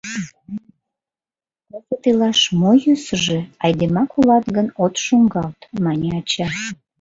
«Кызыт илаш мо йӧсыжӧ, айдемак улат гын, от шуҥгалт», — мане ача.